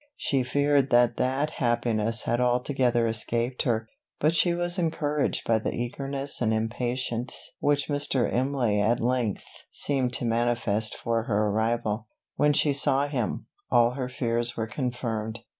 She feared that that happiness had altogether escaped her; but she was encouraged by the eagerness and impatience which Mr. Imlay at length seemed to manifest for her arrival. When she saw him, all her fears were confirmed.